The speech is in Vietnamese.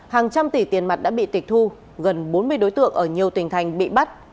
hàng trăm tỷ tiền mặt đã bị tịch thu gần bốn mươi đối tượng ở nhiều tỉnh thành bị bắt